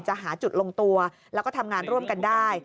หาจุดลงตัวแล้วก็ทำงานร่วมกันได้